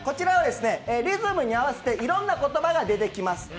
リズムに合わせていろんな言葉がでてきます。